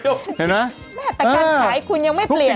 แต่การขายคุณยังไม่เปลี่ยน